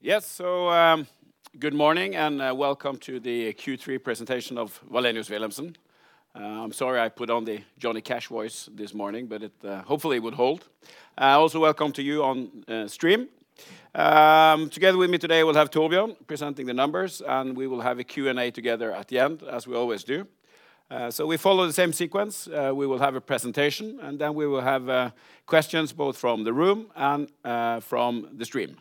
Yes. Good morning and welcome to the Q3 Presentation of Wallenius Wilhelmsen. I'm sorry I put on the Johnny Cash voice this morning but it hopefully it would hold. Also welcome to you on stream. Together with me today we'll have Torbjørn presenting the numbers, and we will have a Q&A together at the end as we always do. We follow the same sequence. We will have a presentation, and then we will have questions both from the room and from the stream.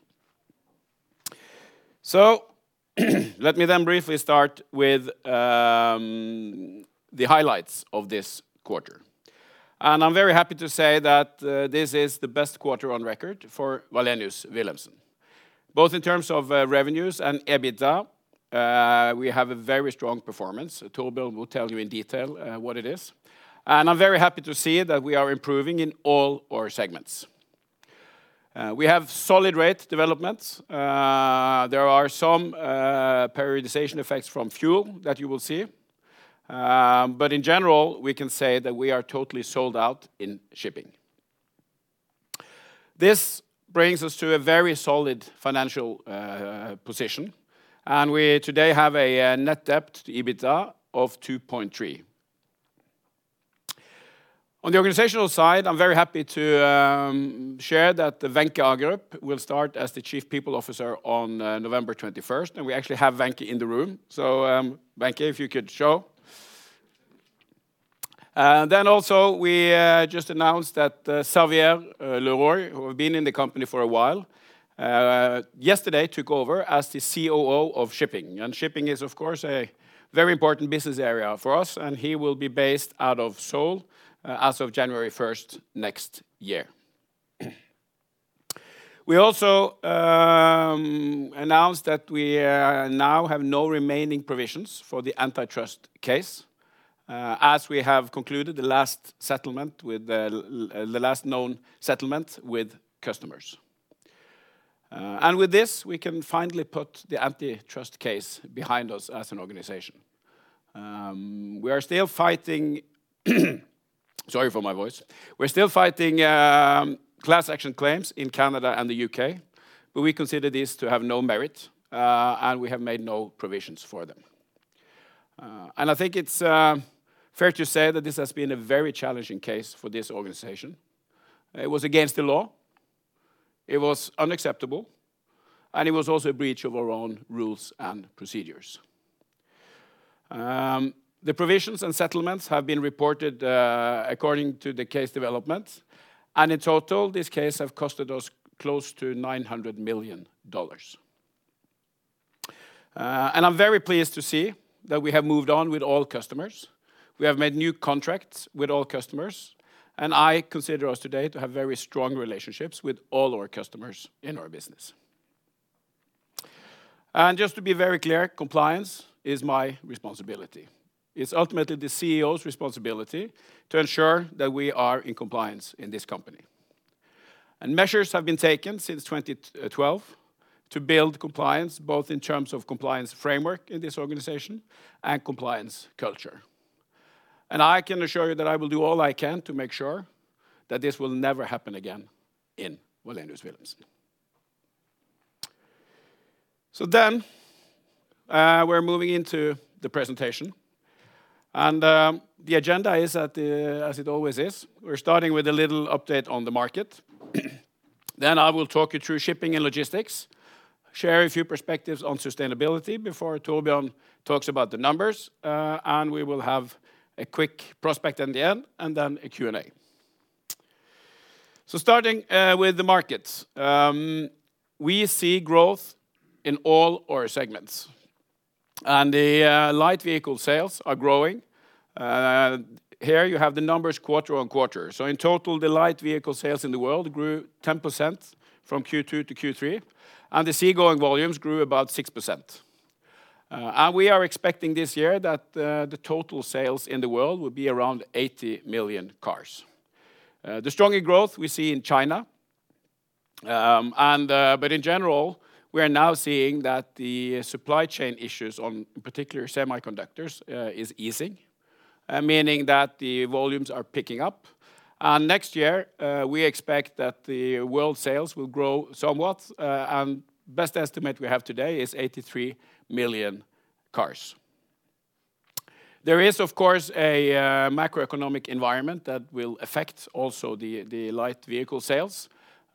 Let me then briefly start with the highlights of this quarter. I'm very happy to say that this is the best quarter on record for Wallenius Wilhelmsen. Both in terms of revenues and EBITDA, we have a very strong performance. Torbjørn will tell you in detail what it is. I'm very happy to see that we are improving in all our segments. We have solid rate developments. There are some periodization effects from fuel that you will see, but in general, we can say that we are totally sold out in shipping. This brings us to a very solid financial position, and we today have a net debt to EBITDA of 2.3. On the organizational side, I'm very happy to share that Wenche Agerup will start as the Chief People Officer on November 21, and we actually have Wenche in the room. Wenche, if you could show. We also just announced that Xavier Leroi, who have been in the company for a while, yesterday took over as the COO of Shipping. Shipping is, of course, a very important business area for us and he will be based out of Seoul, as of January 1 next year. We also announced that we now have no remaining provisions for the antitrust case, as we have concluded the last known settlement with customers. With this, we can finally put the antitrust case behind us as an organization. We are still fighting class action claims in Canada and the U.K., but we consider this to have no merit, and we have made no provisions for them. I think it's fair to say that this has been a very challenging case for this organization. It was against the law, it was unacceptable, and it was also a breach of our own rules and procedures. The provisions and settlements have been reported according to the case developments, and in total, this case have costed us close to $900 million. I'm very pleased to see that we have moved on with all customers. We have made new contracts with all customers, and I consider us today to have very strong relationships with all our customers in our business. Just to be very clear, compliance is my responsibility. It's ultimately the CEO's responsibility to ensure that we are in compliance in this company. Measures have been taken since 2012 to build compliance, both in terms of compliance framework in this organization and compliance culture. I can assure you that I will do all I can to make sure that this will never happen again in Wallenius Wilhelmsen. Then we're moving into the presentation, and the agenda is as it always is. We're starting with a little update on the market. Then I will talk you through shipping and logistics, share a few perspectives on sustainability before Torbjørn talks about the numbers, and we will have a quick prospect in the end, and then a Q&A. Starting with the markets, we see growth in all our segments and the light vehicle sales are growing. Here you have the numbers quarter on quarter. In total, the light vehicle sales in the world grew 10% from Q2 to Q3, and the seagoing volumes grew about 6%. We are expecting this year that the total sales in the world will be around 80 million cars. The strongest growth we see in China, but in general, we are now seeing that the supply chain issues in particular semiconductors is easing, meaning that the volumes are picking up. Next year, we expect that the world sales will grow somewhat and best estimate we have today is 83 million cars. There is, of course, a macroeconomic environment that will affect also the light vehicle sales,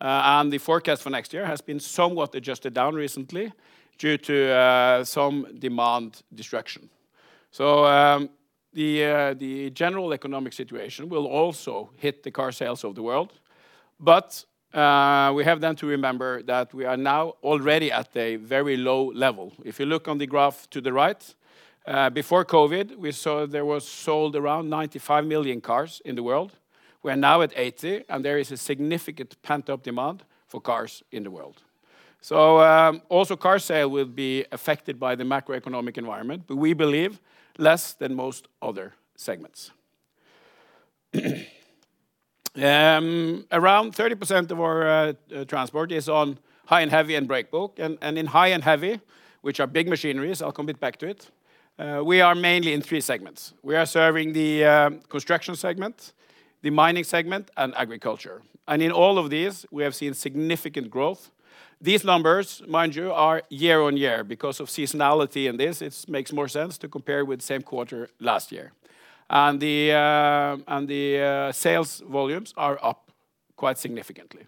and the forecast for next year has been somewhat adjusted down recently due to some demand destruction. The general economic situation will also hit the car sales of the world. We have then to remember that we are now already at a very low level. If you look on the graph to the right, before COVID, we saw there was sold around 95 million cars in the world. We are now at 80, and there is a significant pent-up demand for cars in the world. Also car sale will be affected by the macroeconomic environment, but we believe less than most other segments. Around 30% of our transport is on high and heavy and breakbulk. In high and heavy, which are big machineries, I'll come bit back to it, we are mainly in three segments. We are serving the construction segment, the mining segment, and agriculture. In all of these, we have seen significant growth. These numbers, mind you, are year-on-year. Because of seasonality in this, it makes more sense to compare with same quarter last year. Sales volumes are up quite significantly.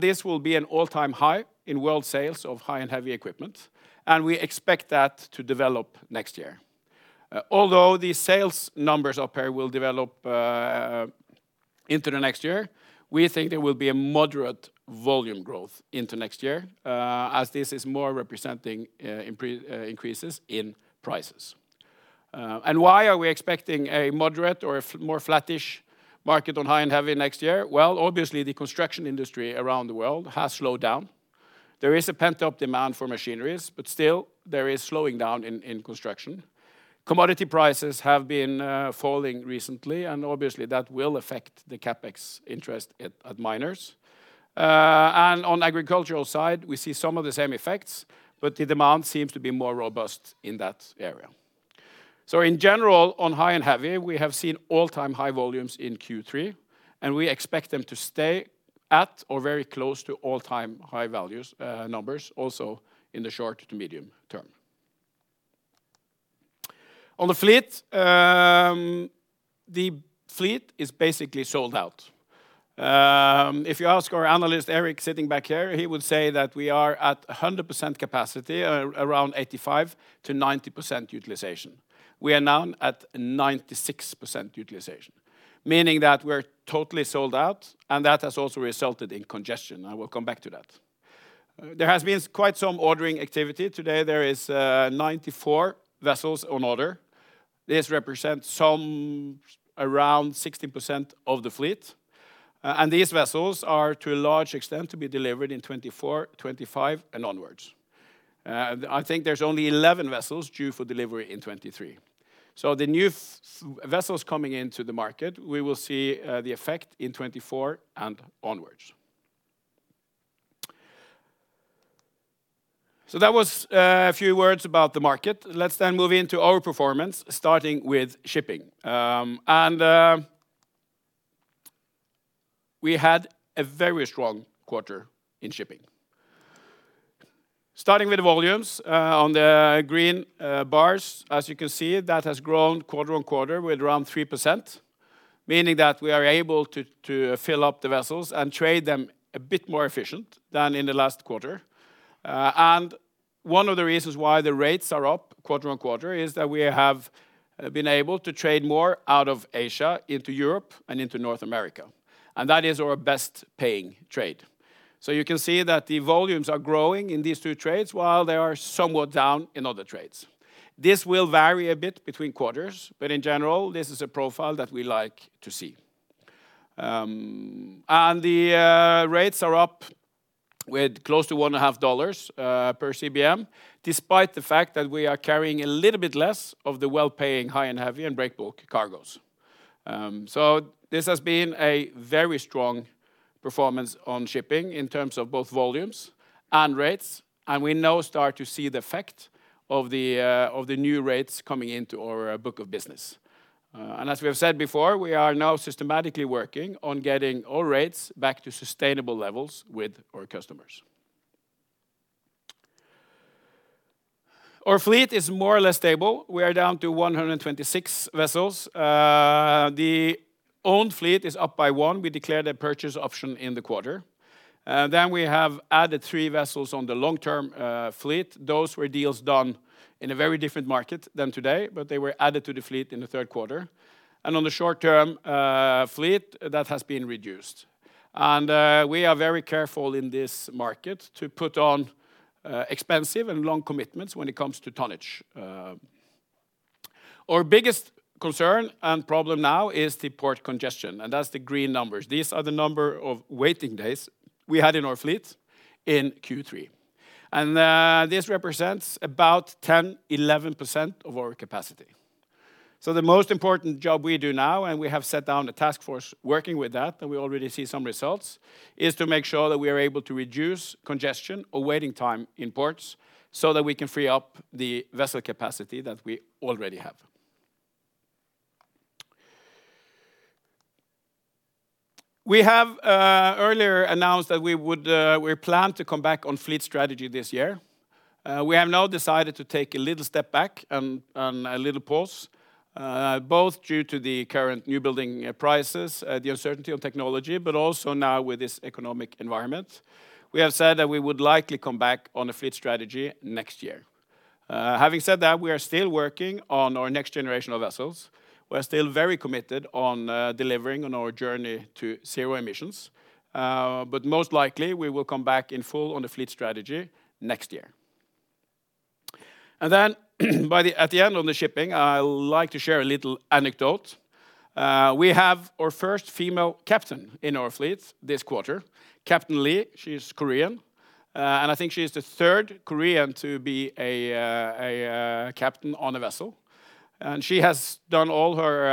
This will be an all-time high in world sales of high and heavy equipment, and we expect that to develop next year. Although the sales numbers up here will develop into the next year, we think there will be a moderate volume growth into next year, as this is more representing increases in prices. Why are we expecting a moderate or more flattish market on high and heavy next year? Well obviously, the construction industry around the world has slowed down. There is a pent-up demand for machinery, but still, there is slowing down in construction. Commodity prices have been falling recently, and obviously, that will affect the CapEx interest at miners. On agricultural side, we see some of the same effects, but the demand seems to be more robust in that area. In general, on high and heavy, we have seen all-time high volumes in Q3, and we expect them to stay at or very close to all-time high values, numbers also in the short to medium term. On the fleet, the fleet is basically sold out. If you ask our Analyst, Erik Nøklebye, sitting back here, he would say that we are at 100% capacity, around 85%-90% utilization. We are now at 96% utilization, meaning that we're totally sold out and that has also resulted in congestion. I will come back to that. There has been quite some ordering activity. Today, there is 94 vessels on order. This represents some, around 60% of the fleet. These vessels are, to a large extent, to be delivered in 2024, 2025, and onwards. I think there's only 11 vessels due for delivery in 2023. The new vessels coming into the market, we will see the effect in 2024 and onwards. That was a few words about the market. Let's move into our performance, starting with shipping. We had a very strong quarter in shipping. Starting with volumes, on the green bars, as you can see, that has grown quarter-over-quarter with around 3%, meaning that we are able to to fill up the vessels and trade them a bit more efficient than in the last quarter. One of the reasons why the rates are up quarter-over-quarter is that we have been able to trade more out of Asia into Europe and into North America, and that is our best-paying trade. You can see that the volumes are growing in these two trades, while they are somewhat down in other trades. This will vary a bit between quarters, but in general, this is a profile that we like to see. The rates are up with close to $1.5 per CBM, despite the fact that we are carrying a little bit less of the well-paying high and heavy and breakbulk cargos. This has been a very strong performance on shipping in terms of both volumes and rates, and we now start to see the effect of the new rates coming into our book of business. As we have said before, we are now systematically working on getting all rates back to sustainable levels with our customers. Our fleet is more or less stable. We are down to 126 vessels. The owned fleet is up by one. We declared a purchase option in the quarter. We have added three vessels on the long-term fleet. Those were deals done in a very different market than today, but they were added to the fleet in the third quarter. On the short-term fleet, that has been reduced. We are very careful in this market to put on expensive and long commitments when it comes to tonnage. Our biggest concern and problem now is the port congestion and that's the green numbers. These are the number of waiting days we had in our fleet in Q3. This represents about 10%, 11% of our capacity. The most important job we do now, and we have set down a task force working with that and we already see some results, is to make sure that we are able to reduce congestion or waiting time in ports, so that we can free up the vessel capacity that we already have. We have earlier announced that we plan to come back on fleet strategy this year. We have now decided to take a little step back and a little pause, both due to the current newbuilding prices, the uncertainty of technology, but also now with this economic environment. We have said that we would likely come back on a fleet strategy next year. Having said that, we are still working on our next generation of vessels. We are still very committed on delivering on our journey to zero emissions. But most likely, we will come back in full on the fleet strategy next year. At the end of the shipping, I like to share a little anecdote. We have our first female captain in our fleet this quarter, Captain Lee, she is Korean. I think she is the third Korean to be a captain on a vessel. She has done all her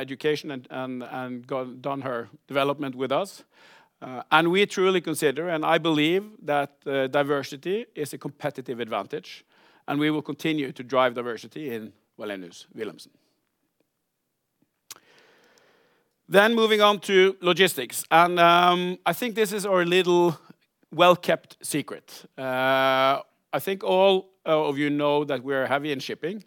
education and done her development with us. We truly consider, and I believe that, diversity is a competitive advantage, and we will continue to drive diversity in Wallenius Wilhelmsen. Moving on to logistics, I think this is our little well-kept secret. I think all of you know that we're heavy in shipping,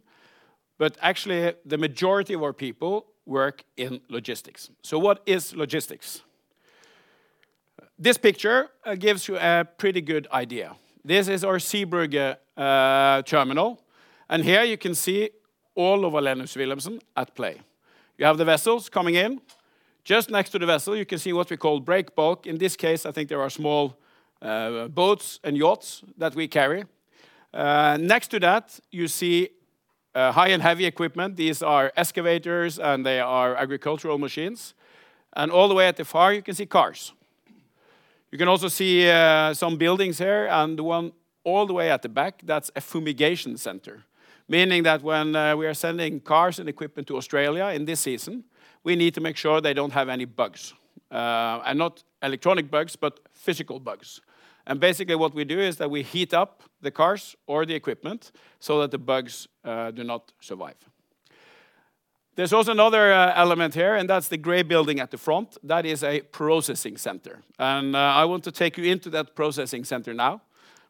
but actually the majority of our people work in logistics. What is logistics? This picture gives you a pretty good idea. This is our Zeebrugge terminal, and here you can see all of Wallenius Wilhelmsen at play. You have the vessels coming in. Just next to the vessel, you can see what we call breakbulk. In this case, I think there are small boats and yachts that we carry. Next to that, you see high and heavy equipment. These are excavators and they are agricultural machines and all the way at the far end, you can see cars. You can also see some buildings here, and the one all the way at the back, that's a fumigation center, meaning that when we are sending cars and equipment to Australia in this season, we need to make sure they don't have any bugs. Not electronic bugs, but physical bugs. Basically what we do is that we heat up the cars or the equipment so that the bugs do not survive. There's also another element here and that's the gray building at the front that is a processing center. I want to take you into that processing center now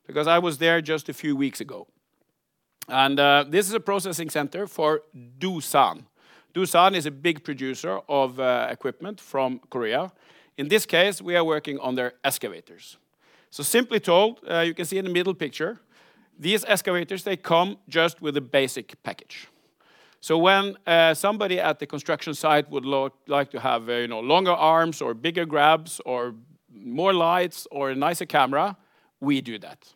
because I was there just a few weeks ago. This is a processing center for Doosan. Doosan is a big producer of equipment from Korea. In this case, we are working on their excavators. Simply told, you can see in the middle picture, these excavators, they come just with a basic package. When somebody at the construction site would like to have, you know, longer arms or bigger grabs or more lights or a nicer camera, we do that.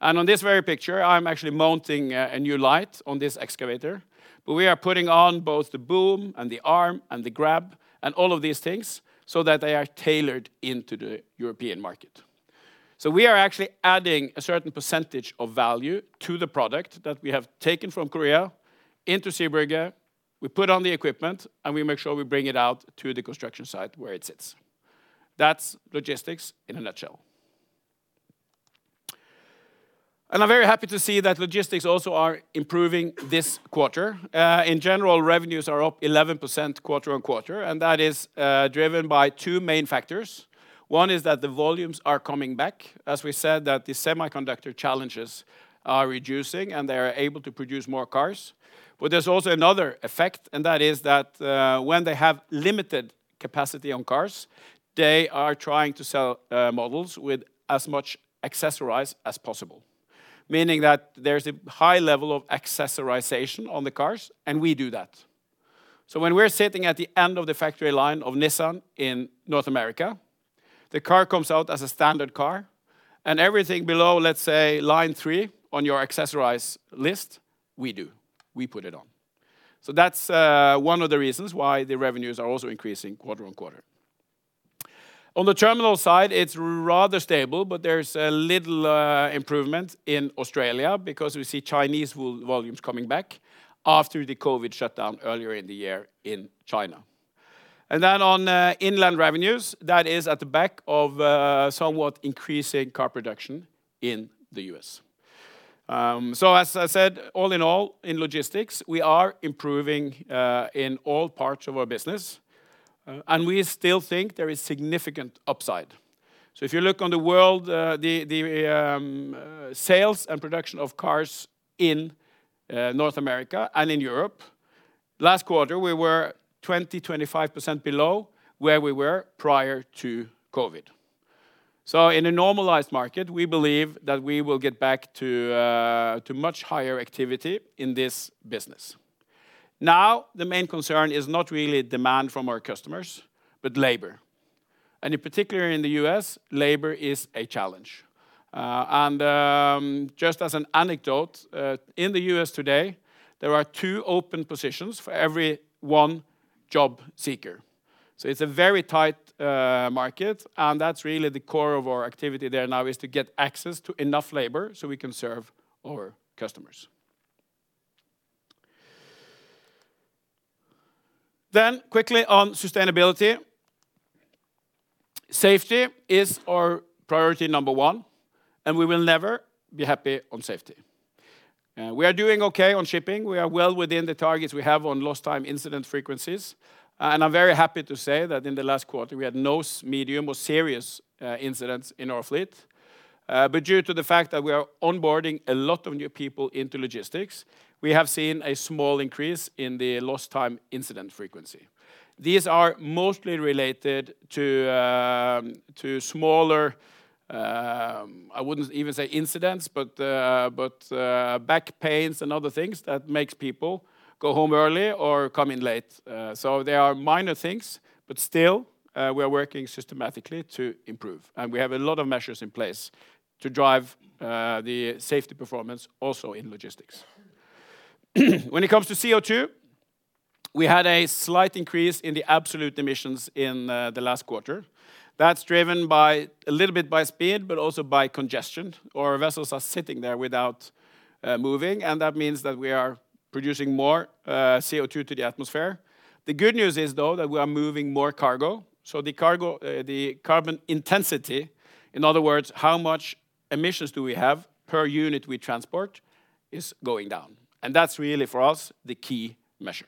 On this very picture, I'm actually mounting a new light on this excavator but we are putting on both the boom and the arm and the grab and all of these things so that they are tailored into the European market. We are actually adding a certain percentage of value to the product that we have taken from Korea into Zeebrugge. We put on the equipment and we make sure we bring it out to the construction site where it sits that's logistics in a nutshell. I'm very happy to see that logistics also are improving this quarter. In general, revenues are up 11% quarter-on-quarter, and that is driven by two main factors. One is that the volumes are coming back, as we said, that the semiconductor challenges are reducing and they are able to produce more cars. There's also another effect and that is that when they have limited capacity on cars, they are trying to sell models with as much accessories as possible, meaning that there's a high level of accessories on the cars and we do that. When we're sitting at the end of the factory line of Nissan in North America, the car comes out as a standard car and everything below, let's say, line three on your accessories list, we do. We put it on, that's one of the reasons why the revenues are also increasing quarter on quarter. On the terminal side, it's rather stable but there's a little improvement in Australia because we see Chinese volumes coming back after the COVID shutdown earlier in the year in China. Then on inland revenues, that is on the back of somewhat increasing car production in the U.S.. As I said, all in all, in logistics, we are improving in all parts of our business, and we still think there is significant upside. If you look on the world, the sales and production of cars in North America and in Europe, last quarter, we were 20-25% below where we were prior to COVID. In a normalized market, we believe that we will get back to much higher activity in this business. Now, the main concern is not really demand from our customers but labor. In particular in the U.S., labor is a challenge. Just as an anecdote, in the U.S. today, there are two open positions for every one job seeker. It's a very tight market and that's really the core of our activity there now, is to get access to enough labor so we can serve our customers. Quickly on sustainability. Safety is our priority number one and we will never be happy on safety. We are doing okay on shipping. We are well within the targets we have on lost time incident frequencies. I'm very happy to say that in the last quarter, we had no medium or serious incidents in our fleet. Due to the fact that we are onboarding a lot of new people into logistics, we have seen a small increase in the lost time incident frequency, these are mostly related to smaller. I wouldn't even say incidents, but back pains and other things that makes people go home early or come in late. They are minor things but still, we are working systematically to improve and we have a lot of measures in place to drive the safety performance also in logistics. When it comes to CO2, we had a slight increase in the absolute emissions in the last quarter. That's driven by a little bit by speed, but also by congestion, or vessels are sitting there without moving and that means that we are producing more CO2 to the atmosphere. The good news is though that we are moving more cargo. The cargo, the carbon intensity, in other words, how much emissions do we have per unit we transport, is going down that's really for us, the key measure.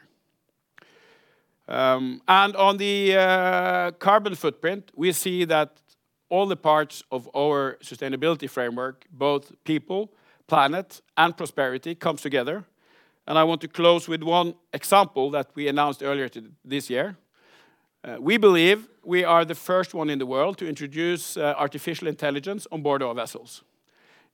On the carbon footprint, we see that all the parts of our sustainability framework, both people, planet, and prosperity, comes together. I want to close with one example that we announced earlier this year. We believe we are the first one in the world to introduce artificial intelligence on board our vessels.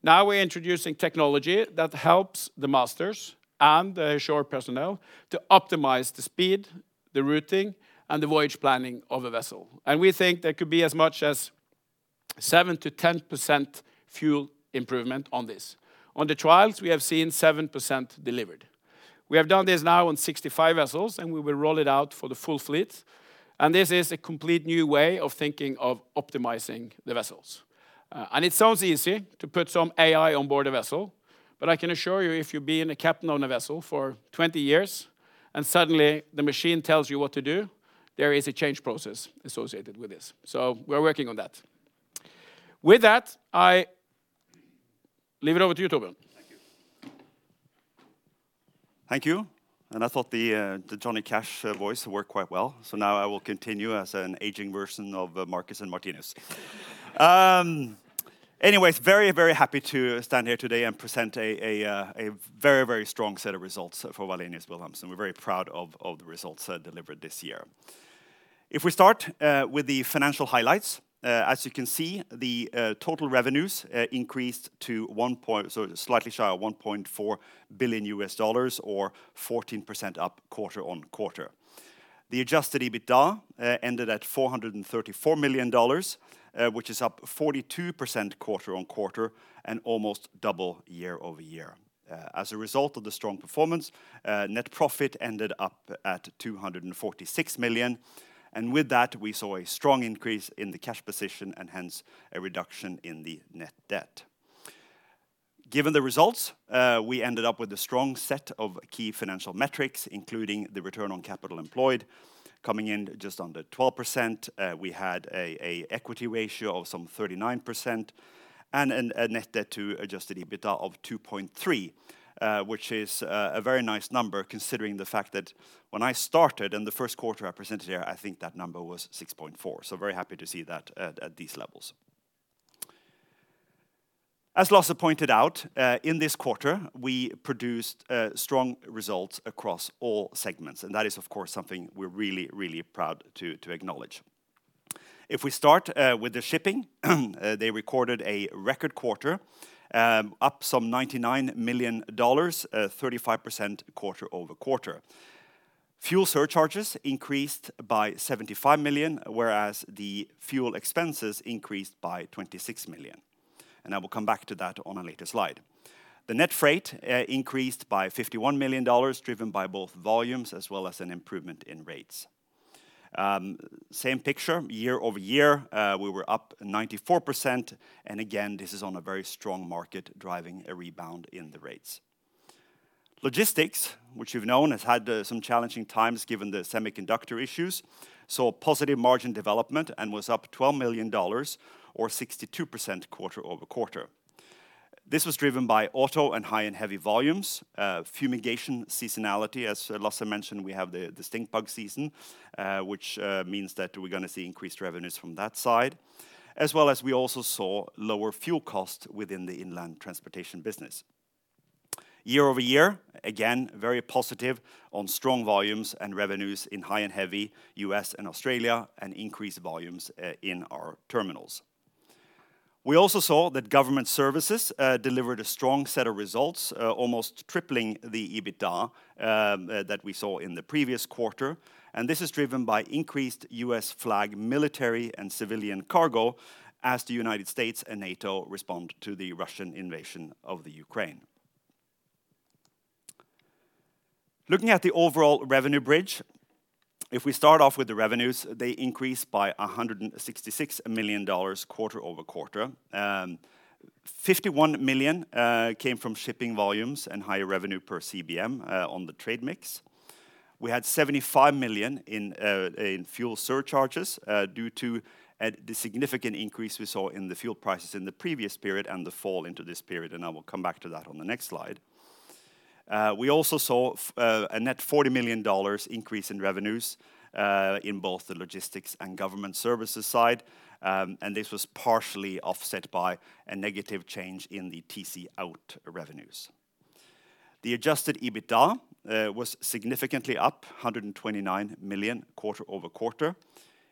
Now we're introducing technology that helps the masters and the shore personnel to optimize the speed, the routing, and the voyage planning of a vessel. We think there could be as much as 7%-10% fuel improvement on this. On the trials, we have seen 7% delivered. We have done this now on 65 vessels and we will roll it out for the full fleet, and this is a complete new way of thinking of optimizing the vessels. It sounds easy to put some AI on board a vessel, but I can assure you, if you've been a captain on a vessel for 20 years and suddenly the machine tells you what to do, there is a change process associated with this. We're working on that. With that, I leave it over to you Torbjørn. Thank you. I thought the Johnny Cash voice worked quite well. Now I will continue as an aging version of Marcus & Martinus. Very happy to stand here today and present a very strong set of results for Wallenius Wilhelmsen. We're very proud of the results delivered this year. If we start with the financial highlights, as you can see, the total revenues increased to slightly shy of $1.4 billion, or 14% up quarter-on-quarter. The adjusted EBITDA ended at $434 million, which is up 42% quarter-on-quarter and almost double year-over-year. As a result of the strong performance, net profit ended up at $246 million, and with that, we saw a strong increase in the cash position and hence a reduction in the net debt. Given the results, we ended up with a strong set of key financial metrics, including the return on capital employed coming in just under 12%. We had an equity ratio of some 39% and a net debt to adjusted EBITDA of 2.3, which is a very nice number considering the fact that when I started, in the first quarter I presented here, I think that number was 6.4. Very happy to see that at these levels. As Lasse pointed out, in this quarter, we produced strong results across all segments, and that is of course something we're really proud to acknowledge. If we start with the shipping, they recorded a record quarter, up some $99 million, 35% quarter-over-quarter. Fuel surcharges increased by $75 million, whereas the fuel expenses increased by $26 million and I will come back to that on a later slide. The net freight increased by $51 million, driven by both volumes as well as an improvement in rates. Same picture, year-over-year, we were up 94% and again, this is on a very strong market, driving a rebound in the rates. Logistics, which you've known, has had some challenging times given the semiconductor issues, saw a positive margin development and was up $12 million or 62% quarter-over-quarter. This was driven by auto and high and heavy volumes, fumigation seasonality. As Lasse mentioned, we have the stink bug season, which means that we're gonna see increased revenues from that side, as well as we also saw lower fuel cost within the inland transportation business. Year-over-year, again, very positive on strong volumes and revenues in high and heavy U.S. and Australia and increased volumes in our terminals. We also saw that Government Services delivered a strong set of results, almost tripling the EBITDA that we saw in the previous quarter, and this is driven by increased U.S. flag military and civilian cargo as the United States and NATO respond to the Russian invasion of the Ukraine. Looking at the overall revenue bridge, if we start off with the revenues, they increased by $166 million quarter-over-quarter, $51 million came from shipping volumes and higher revenue per CBM on the trade mix. We had $75 million in fuel surcharges due to the significant increase we saw in the fuel prices in the previous period and the fall into this period, and I will come back to that on the next slide. We also saw a net $40 million increase in revenues in both the logistics and government services side and this was partially offset by a negative change in the TC Out revenues. The adjusted EBITDA was significantly up $129 million quarter-over-quarter.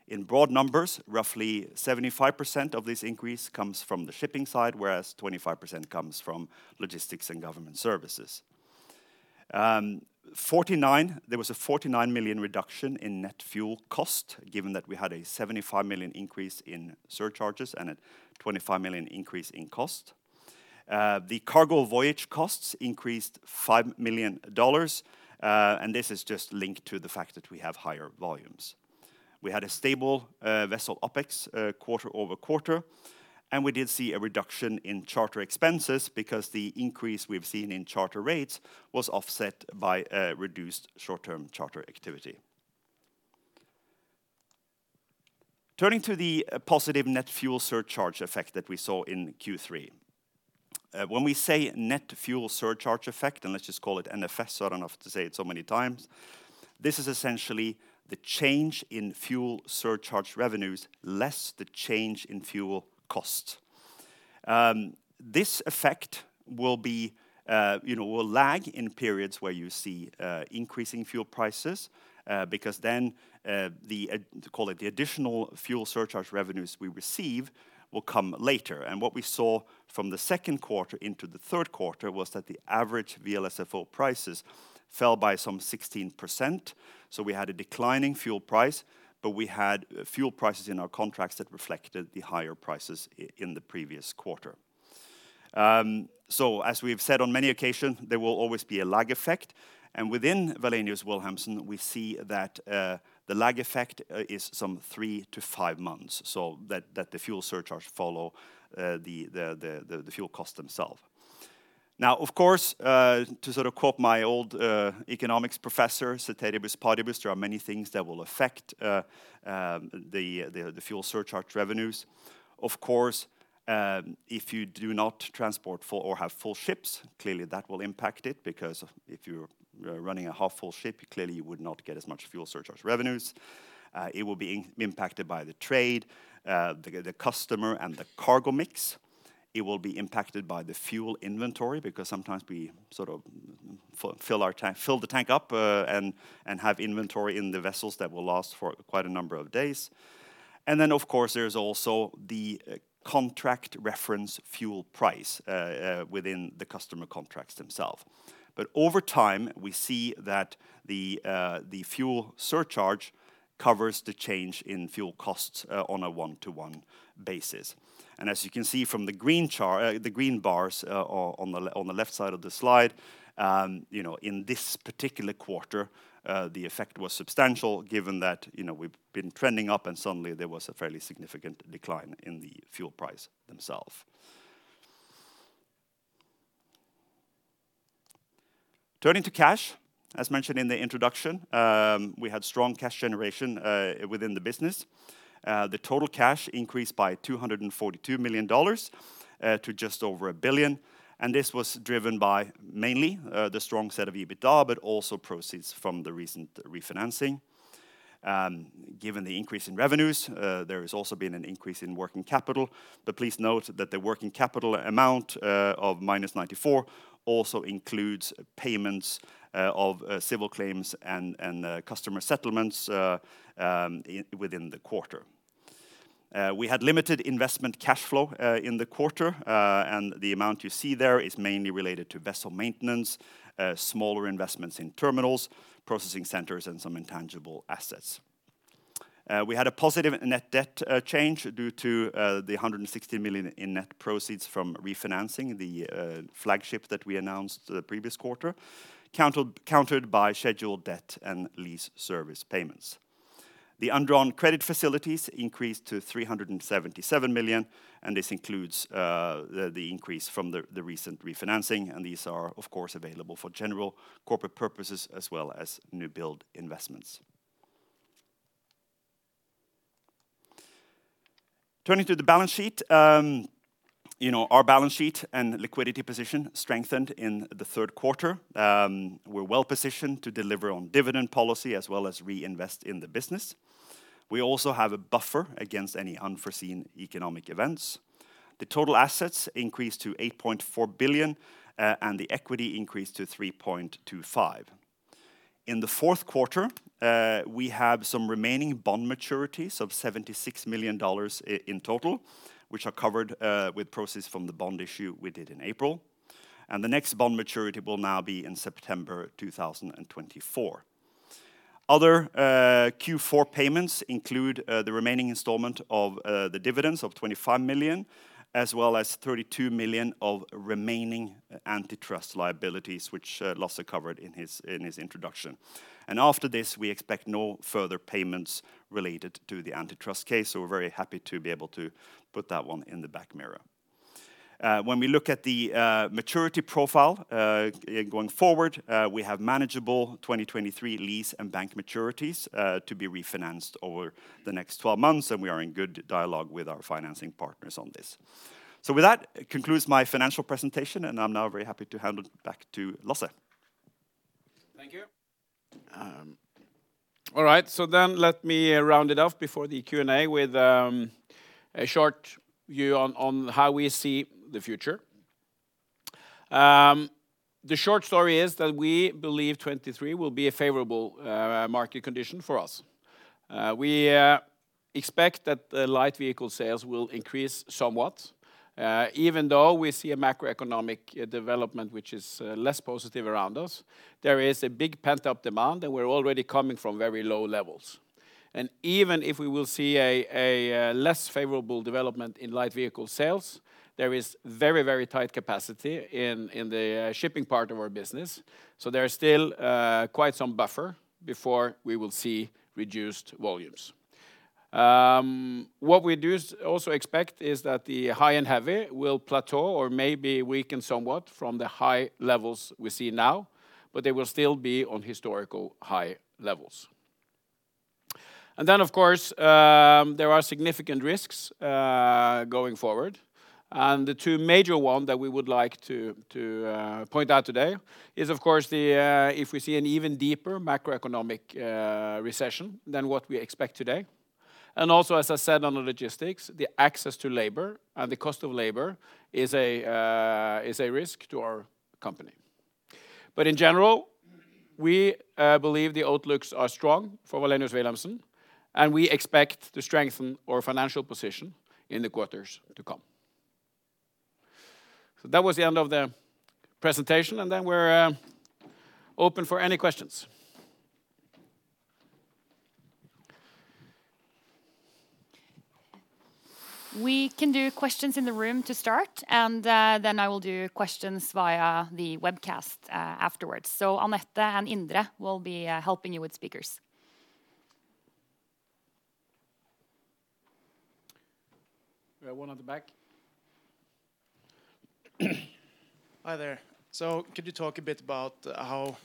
In broad numbers, roughly 75% of this increase comes from the shipping side, whereas 25% comes from logistics and government services. There was a $49 million reduction in net fuel cost, given that we had a $75 million increase in surcharges and a $25 million increase in cost. The cargo voyage costs increased $5 million and this is just linked to the fact that we have higher volumes. We had a stable vessel OpEx quarter over quarter, and we did see a reduction in charter expenses because the increase we've seen in charter rates was offset by reduced short-term charter activity. Turning to the positive net fuel surcharge effect that we saw in Q3. When we say net fuel surcharge effect and let's just call it NFS so I don't have to say it so many times, this is essentially the change in fuel surcharge revenues less the change in fuel cost. This effect will be, you know, will lag in periods where you see increasing fuel prices because then call it the additional fuel surcharge revenues we receive will come later. What we saw from the second quarter into the third quarter was that the average VLSFO prices fell by some 16%, so we had a declining fuel price, but we had fuel prices in our contracts that reflected the higher prices in the previous quarter. As we have said on many occasions, there will always be a lag effect, and within Wallenius Wilhelmsen, we see that the lag effect is some three to five months, so that the fuel surcharge follow the fuel cost themselves. Now, of course, to sort of quote my old economics professor, there are many things that will affect the fuel surcharge revenues. Of course, if you do not transport full or have full ships, clearly that will impact it because if you're running a half-full ship, clearly you would not get as much fuel surcharge revenues. It will be impacted by the trade, the customer and the cargo mix. It will be impacted by the fuel inventory because sometimes we sort of fill the tank up and have inventory in the vessels that will last for quite a number of days. Then, of course, there's also the contract reference fuel price within the customer contracts themselves. Over time, we see that the fuel surcharge covers the change in fuel costs on a one-to-one basis. As you can see from the green chart, the green bars on the left side of the slide, you know, in this particular quarter, the effect was substantial given that, you know, we've been trending up and suddenly there was a fairly significant decline in the fuel prices themselves. Turning to cash, as mentioned in the introduction, we had strong cash generation within the business. The total cash increased by $242 million to just over $1 billion and this was driven mainly by the strong EBITDA, but also proceeds from the recent refinancing. Given the increase in revenues, there has also been an increase in working capital. Please note that the working capital amount of -$94 million also includes payments of civil claims and customer settlements within the quarter. We had limited investment cash flow in the quarter and the amount you see there is mainly related to vessel maintenance, smaller investments in terminals, processing centers, and some intangible assets. We had a positive net debt change due to the $160 million in net proceeds from refinancing the flagship that we announced the previous quarter, countered by scheduled debt and lease servicing payments. The undrawn credit facilities increased to $377 million and this includes the increase from the recent refinancing and these are of course available for general corporate purposes as well as new build investments. Turning to the balance sheet, you know, our balance sheet and liquidity position strengthened in the third quarter. We're well positioned to deliver on dividend policy as well as reinvest in the business. We also have a buffer against any unforeseen economic events. The total assets increased to $8.4 billion and the equity increased to $3.25 billion. In the fourth quarter, we have some remaining bond maturities of $76 million in total, which are covered with proceeds from the bond issue we did in April. The next bond maturity will now be in September 2024. Other Q4 payments include the remaining installment of the dividends of $25 million, as well as $32 million of remaining antitrust liabilities, which Lasse covered in his introduction. After this, we expect no further payments related to the antitrust case, so we're very happy to be able to put that one in the rearview mirror. When we look at the maturity profile, going forward, we have manageable 2023 lease and bank maturities to be refinanced over the next 12 months and we are in good dialogue with our financing partners on this. With that, concludes my financial presentation and I'm now very happy to hand it back to Lasse. Thank you. All right, let me round it off before the Q&A with a short view on how we see the future. The short story is that we believe 2023 will be a favorable market condition for us. We expect that the light vehicle sales will increase somewhat, even though we see a macroeconomic development which is less positive around us. There is a big pent-up demand and we're already coming from very low levels. Even if we will see a less favorable development in light vehicle sales, there is very, very tight capacity in the shipping part of our business. There are still quite some buffer before we will see reduced volumes. What we also expect is that the high and heavy will plateau or maybe weaken somewhat from the high levels we see now, but they will still be on historical high levels. Of course, there are significant risks going forward. The two major one that we would like to point out today is of course the if we see an even deeper macroeconomic recession than what we expect today. Also, as I said on the logistics, the access to labor and the cost of labor is a risk to our company. In general, we believe the outlooks are strong for Wallenius Wilhelmsen and we expect to strengthen our financial position in the quarters to come. That was the end of the presentation and then we're open for any questions. We can do questions in the room to start and then I will do questions via the webcast afterwards. Anette and Indre will be helping you with speakers. We have one at the back. Hi there. Could you talk a bit about how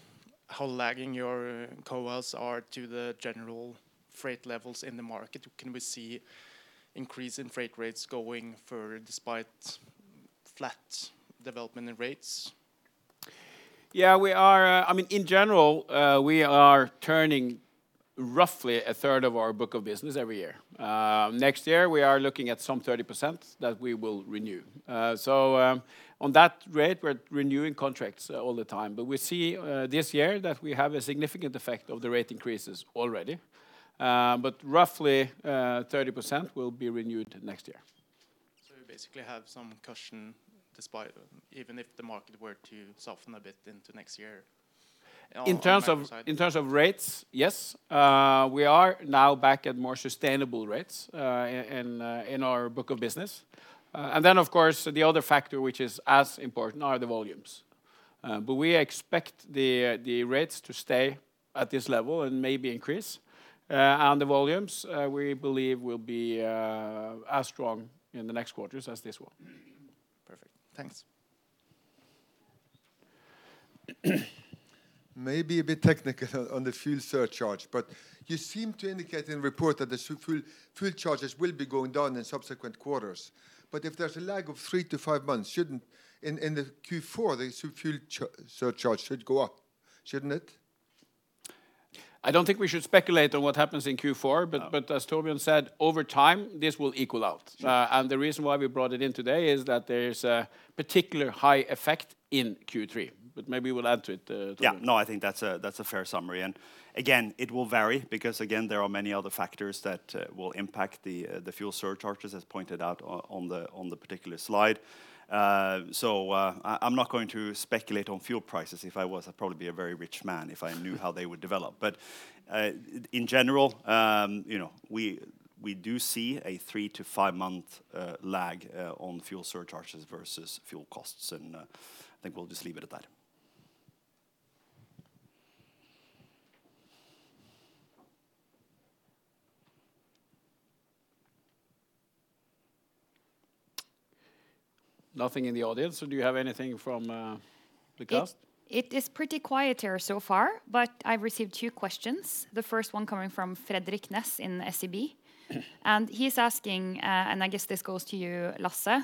lagging your cohorts are to the general freight levels in the market? Can we see increase in freight rates going further despite flat development in rates? Yeah, we are, I mean, in general, we are turning roughly a third of our book of business every year. Next year we are looking at some 30% that we will renew. On that rate, we're renewing contracts all the time. We see this year that we have a significant effect of the rate increases already. Roughly, 30% will be renewed next year. You basically have some cushion despite even if the market were to soften a bit into next year on the volume side, yeah? In terms of rates, yes. We are now back at more sustainable rates in our book of business. Of course the other factor which is as important are the volumes. We expect the rates to stay at this level and maybe increase. The volumes we believe will be as strong in the next quarters as this one. Perfect, thanks. Maybe a bit technical on the fuel surcharge but you seem to indicate in report that the fuel surcharge will be going down in subsequent quarters. If there's a lag of three to five months, shouldn't the fuel surcharge in Q4 go up, shouldn't it? I don't think we should speculate on what happens in Q4. No. As Torbjørn said, over time this will even out. Sure. The reason why we brought it in today is that there is a particularly high effect in Q3 but maybe we'll add to it, Torbjørn. Yeah. No, I think that's a fair summary. Again, it will vary because there are many other factors that will impact the fuel surcharges as pointed out on the particular slide. I'm not going to speculate on fuel prices. If I was, I'd probably be a very rich man if I knew how they would develop. In general, you know, we do see a three to five month lag on fuel surcharges versus fuel costs and I think we'll just leave it at that. Nothing in the audience. Do you have anything from the cast? It is pretty quiet here so far, but I've received two questions, the first one coming from Frederik Ness in SEB. He's asking and I guess this goes to you, Lasse,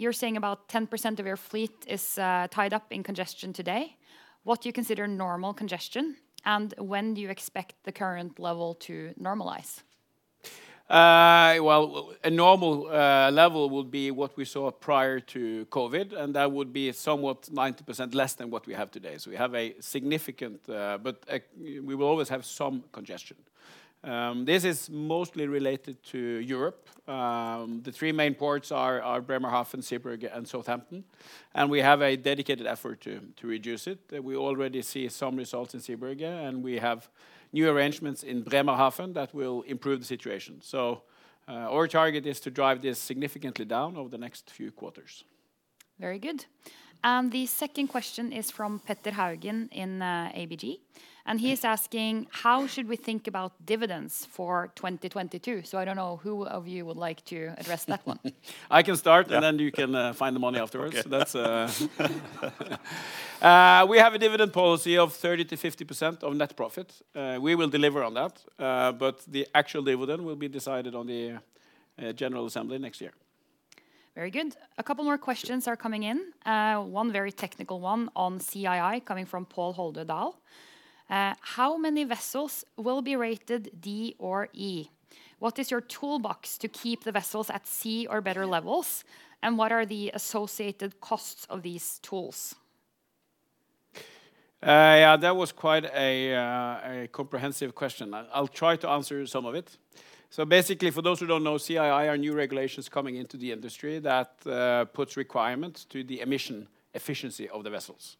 you're saying about 10% of your fleet is tied up in congestion today. What do you consider normal congestion and when do you expect the current level to normalize? Well, a normal level would be what we saw prior to COVID and that would be somewhat 90% less than what we have today. We have a significant but we will always have some congestion. This is mostly related to Europe. The three main ports are Bremerhaven, Zeebrugge, and Southampton, and we have a dedicated effort to reduce it. We already see some results in Zeebrugge, and we have new arrangements in Bremerhaven that will improve the situation. Our target is to drive this significantly down over the next few quarters. Very good. The second question is from Petter Haugen in ABG, and he's asking, "How should we think about dividends for 2022?" I don't know who of you would like to address that one. I can start. Yeah You can find the money afterwards. Okay. We have a dividend policy of 30%-50% of net profit. We will deliver on that. The actual dividend will be decided on the general assembly next year. Very good. A couple more questions are coming in, one very technical one on CII coming from Pål Halvorssen. How many vessels will be rated D or E? What is your toolbox to keep the vessels at C or better levels, and what are the associated costs of these tools? Yeah, that was quite a comprehensive question. I'll try to answer some of it. Basically, for those who don't know, CII are new regulations coming into the industry that puts requirements to the emission efficiency of the vessels.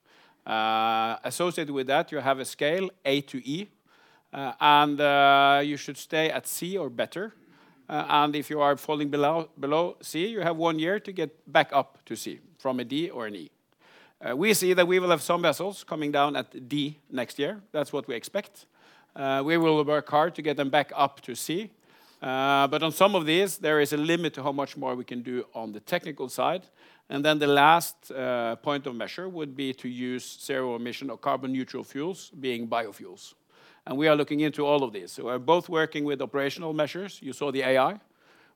Associated with that, you have a scale A to E. You should stay at C or better. If you are falling below C, you have one year to get back up to C from a D or an E. We see that we will have some vessels coming down at D next year that's what we expect. We will work hard to get them back up to C. On some of these, there is a limit to how much more we can do on the technical side. Then the last point of measure would be to use zero-emission or carbon-neutral fuels, being biofuels, and we are looking into all of these. We are both working with operational measures, you saw the AI.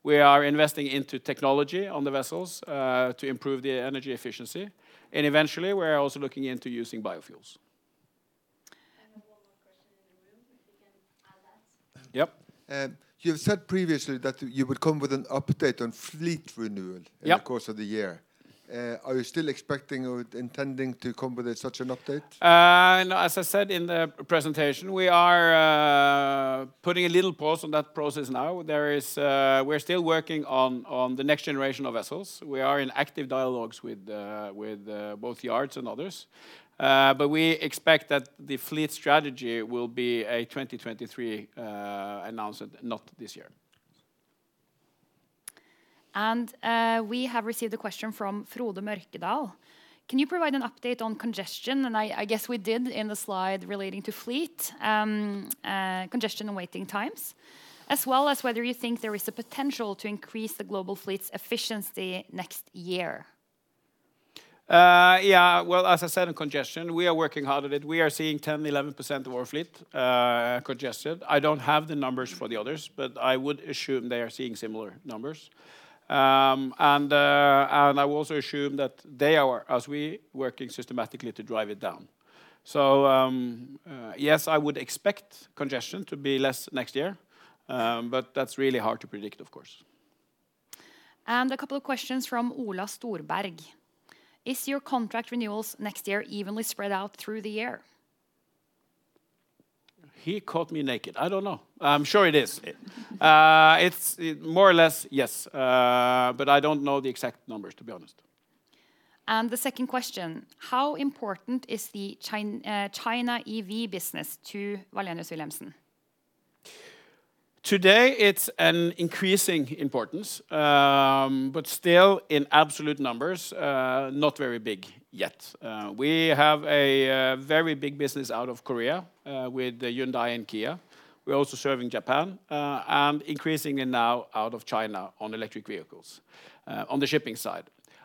We are investing into technology on the vessels to improve the energy efficiency, and eventually, we are also looking into using biofuels. One more question in the room if we can add that. Yep. You have said previously that you would come with an update on fleet renewal. Yep in the course of the year. Are you still expecting or intending to come with such an update? No, as I said in the presentation, we are putting a little pause on that process now. We're still working on the next generation of vessels. We are in active dialogues with both yards and others. But we expect that the fleet strategy will be a 2023 announcement, not this year. We have received a question from Frode Mørkedal. Can you provide an update on congestion? I guess we did in the slide relating to fleet, congestion and waiting times, as well as whether you think there is a potential to increase the global fleet's efficiency next year. Yeah. Well as I said, on congestion, we are working hard at it. We are seeing 10%-11% of our fleet congested. I don't have the numbers for the others, but I would assume they are seeing similar numbers. And I would also assume that they are, as we, working systematically to drive it down. Yes, I would expect congestion to be less next year but that's really hard to predict, of course. A couple of questions from Ola Storberg. Is your contract renewals next year evenly spread out through the year? He caught me naked. I don't know. I'm sure it is. It's more or less, yes. I don't know the exact numbers, to be honest. The second question: How important is the China EV business to Wallenius Wilhelmsen? Today, it's an increasing importance, but still, in absolute numbers, not very big yet. We have a very big business out of Korea, with Hyundai and Kia. We are also serving Japan, and increasing it now out of China on electric vehicles, on the shipping side.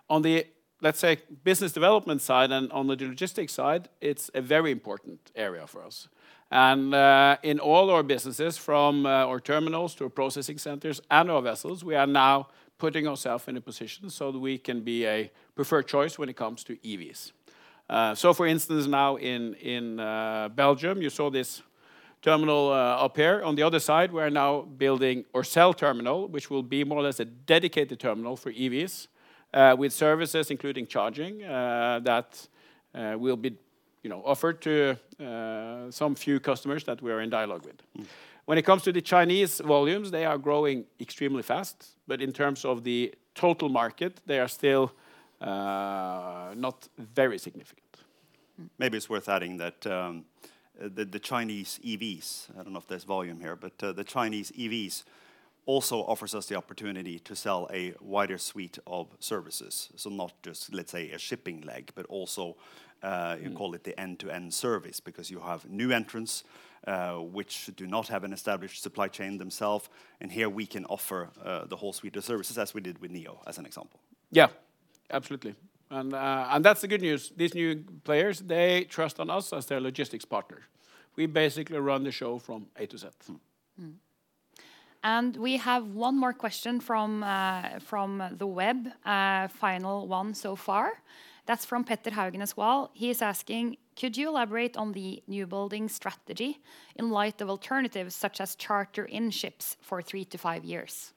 On the, let's say, business development side and on the logistics side, it's a very important area for us. In all our businesses, from our terminals to our processing centers and our vessels, we are now putting ourselves in a position so that we can be a preferred choice when it comes to EVs. So for instance, now in Belgium, you saw this terminal up here. On the other side, we are now building our Zeebrugge terminal, which will be more or less a dedicated terminal for EVs, with services including charging, that will be, you know, offered to some few customers that we are in dialogue with. When it comes to the Chinese volumes, they are growing extremely fast. In terms of the total market, they are still not very significant. Maybe it's worth adding that, the Chinese EVs, I don't know if there's volume here, but the Chinese EVs also offers us the opportunity to sell a wider suite of services, so not just, let's say, a shipping leg, but also. You call it the end-to-end service because you have new entrants, which do not have an established supply chain themselves, and here we can offer the whole suite of services as we did with NIO, as an example. Yeah, absolutely. That's the good news. These new players, they trust on us as their logistics partner. We basically run the show from A to Z. We have one more question from the web, a final one so far. That's from Petter Haugen as well. He is asking: Could you elaborate on the newbuilding strategy in light of alternatives such as charter in ships for threeto five years?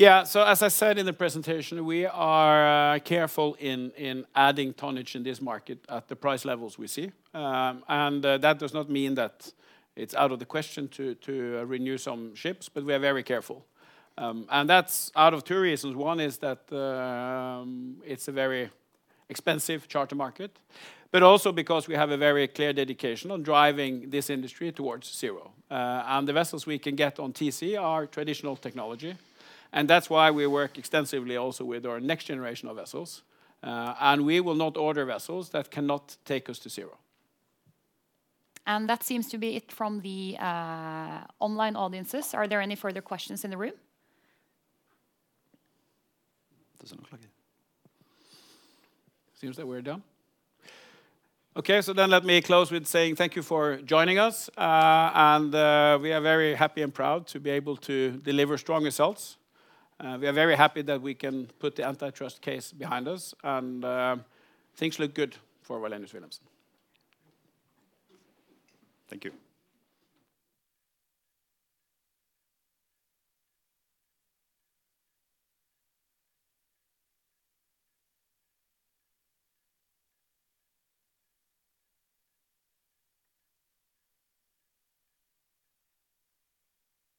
Yeah. As I said in the presentation, we are careful in adding tonnage in this market at the price levels we see. That does not mean that it's out of the question to renew some ships, but we are very careful that's out of two reasons. One is that it's a very expensive charter market, but also because we have a very clear dedication on driving this industry towards zero. The vessels we can get on TC are traditional technology and that's why we work extensively also with our next generation of vessels. We will not order vessels that cannot take us to zero. That seems to be it from the online audiences. Are there any further questions in the room? Doesn't look like it. Seems that we're done. Okay. Let me close with saying thank you for joining us and we are very happy and proud to be able to deliver strong results. We are very happy that we can put the antitrust case behind us, and things look good for Wallenius Wilhelmsen. Thank you.